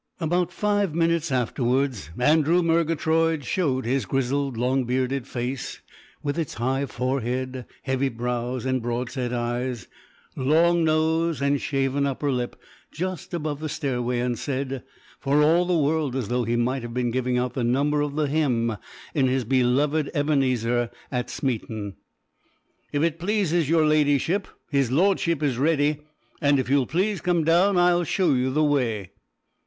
About five minutes afterwards Andrew Murgatroyd showed his grizzled, long bearded face with its high forehead, heavy brows, and broad set eyes, long nose and shaven upper lip, just above the stairway and said, for all the world as though he might have been giving out the number of the hymn in his beloved Ebenezer at Smeaton: "If it pleases yer Ladyship, his Lordship is ready, and if you'll please come down I'll show you the way."